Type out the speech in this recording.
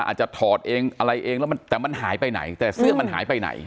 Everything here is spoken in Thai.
ถอดเองอะไรเองแล้วแต่มันหายไปไหนแต่เสื้อมันหายไปไหน